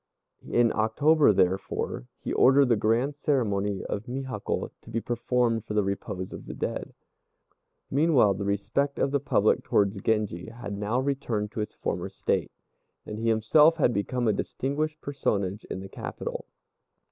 In October, therefore, he ordered the grand ceremony of Mihakkô to be performed for the repose of the dead. Meanwhile the respect of the public towards Genji had now returned to its former state, and he himself had become a distinguished personage in the capital.